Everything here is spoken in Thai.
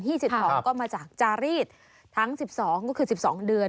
ฮี่๑๒ก็มาจากจารีศทั้ง๑๒ก็คือ๑๒เดือน